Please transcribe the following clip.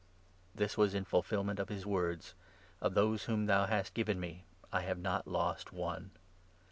This was in fulfilment of his words —' Of those whom thou 9 hast given me I have not lost one.'